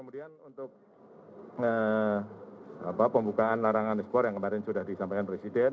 dengan pembukaan larangan ekspor yang kemarin sudah disampaikan presiden